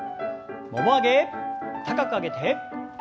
もも上げ高く上げて。